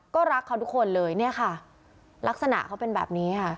ก็รักเขาทุกคนเลยเนี่ยค่ะลักษณะเขาเป็นแบบนี้ค่ะ